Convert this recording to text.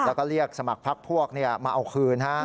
แล้วก็เรียกสมัครพักพวกมาเอาคืน